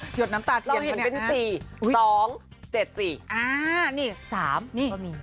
เฮ้ยหยดน้ำตาเทียดเราเห็นเป็นสี่สองเจ็ดสี่อ่านี่สามนี่